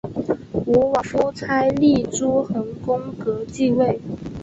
吴王夫差立邾桓公革继位。